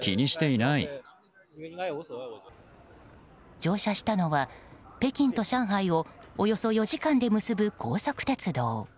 乗車したのは北京と上海をおよそ４時間で結ぶ高速鉄道。